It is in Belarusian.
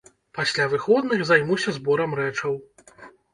Пасля выходных займуся зборам рэчаў.